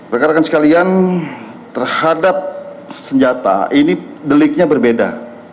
rakan rakan sekalian terhadap senjata ini deliknya berbeda